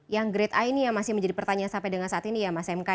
yang grade a ini yang masih menjadi pertanyaan sampai dengan saat ini ya mas mk